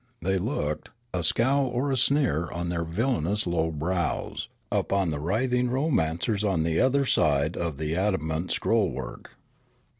They looked, a scowl or a sneer on their villainous low brows, upon the writhing romanc ers on the other side of the adamant scrollwork.